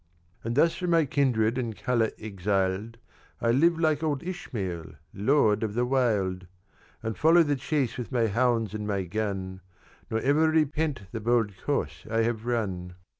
"And thus from my kindred and colour exiled, I live like old Ismael lord of the wild And follow the chase with my hounds and my gun, Nor ever repent the bold course I have run.